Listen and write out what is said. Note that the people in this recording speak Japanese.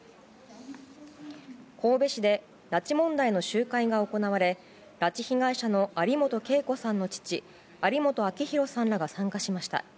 神戸市で拉致問題の集会が行われ拉致被害者の有本恵子さんの父有本明弘さんらが参加しました。